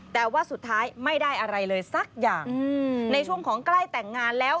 แต่ว่าสุดท้ายไม่ได้อะไรเลยสักอย่างในช่วงของใกล้แต่งงานแล้ว